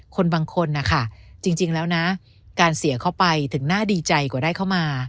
คนบางคนนะคะจริงแล้วนะการเสียเข้าไปถึงน่าดีใจกว่าได้เข้ามา